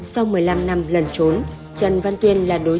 sau một mươi năm năm lần trốn